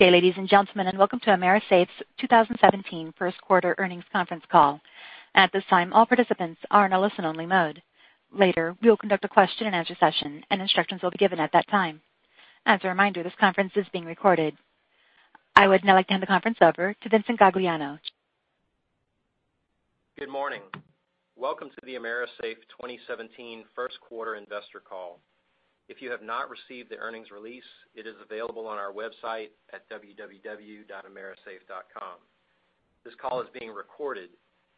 Good day, ladies and gentlemen, and welcome to AMERISAFE's 2017 first quarter earnings conference call. At this time, all participants are in a listen-only mode. Later, we will conduct a question-and-answer session, and instructions will be given at that time. As a reminder, this conference is being recorded. I would now like to hand the conference over to Vincent Gagliano. Good morning. Welcome to the AMERISAFE 2017 first quarter investor call. If you have not received the earnings release, it is available on our website at www.amerisafe.com. This call is being recorded.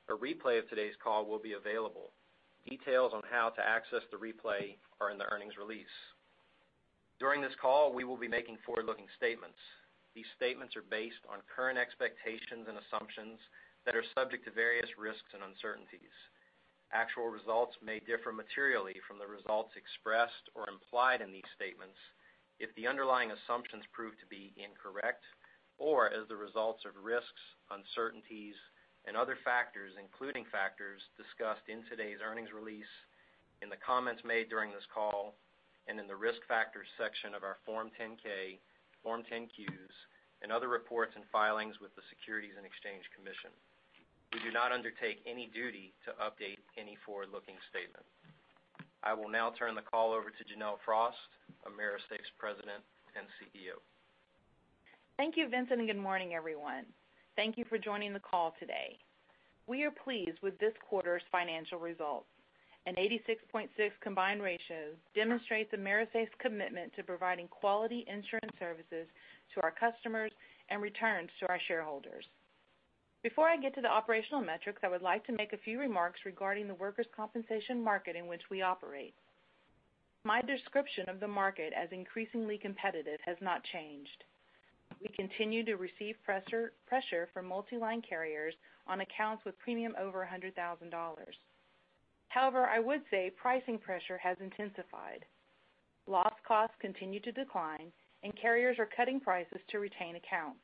A replay of today's call will be available. Details on how to access the replay are in the earnings release. During this call, we will be making forward-looking statements. These statements are based on current expectations and assumptions that are subject to various risks and uncertainties. Actual results may differ materially from the results expressed or implied in these statements if the underlying assumptions prove to be incorrect or as a result of risks, uncertainties, and other factors, including factors discussed in today's earnings release, in the comments made during this call, and in the Risk Factors section of our Form 10-K, Form 10-Qs, and other reports and filings with the Securities and Exchange Commission. We do not undertake any duty to update any forward-looking statement. I will now turn the call over to Janelle Frost, AMERISAFE's President and CEO. Thank you, Vincent, and good morning, everyone. Thank you for joining the call today. We are pleased with this quarter's financial results. An 86.6 combined ratio demonstrates AMERISAFE's commitment to providing quality insurance services to our customers and returns to our shareholders. Before I get to the operational metrics, I would like to make a few remarks regarding the workers' compensation market in which we operate. My description of the market as increasingly competitive has not changed. We continue to receive pressure from multi-line carriers on accounts with premium over $100,000. However, I would say pricing pressure has intensified. Loss costs continue to decline, and carriers are cutting prices to retain accounts.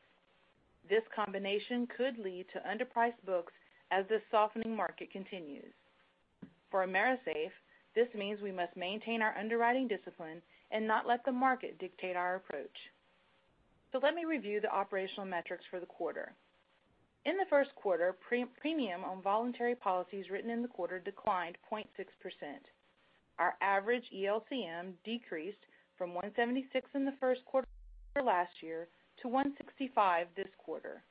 This combination could lead to underpriced books as this softening market continues. For AMERISAFE, this means we must maintain our underwriting discipline and not let the market dictate our approach. Let me review the operational metrics for the quarter. In the first quarter, premium on voluntary policies written in the quarter declined 0.6%. Our average ELCM decreased from 176 in the first quarter last year to 165 this quarter.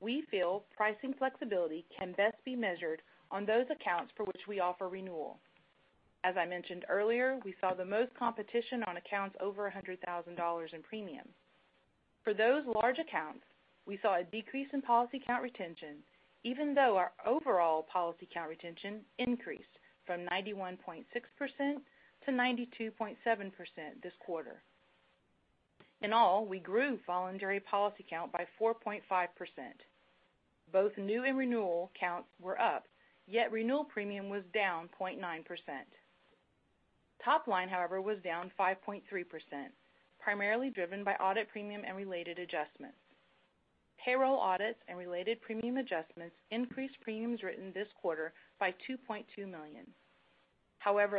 We feel pricing flexibility can best be measured on those accounts for which we offer renewal. As I mentioned earlier, we saw the most competition on accounts over $100,000 in premium. For those large accounts, we saw a decrease in policy count retention, even though our overall policy count retention increased from 91.6% to 92.7% this quarter. In all, we grew voluntary policy count by 4.5%. Both new and renewal counts were up, yet renewal premium was down 0.9%. Top line, however, was down 5.3%, primarily driven by audit premium and related adjustments. Payroll audits and related premium adjustments increased premiums written this quarter by $2.2 million.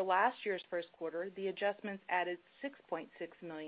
Last year's first quarter, the adjustments added $6.6 million.